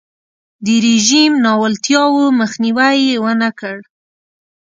د رژیم ناولتیاوو مخنیوی یې ونکړ.